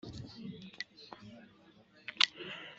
wa dawidi h umuhungu we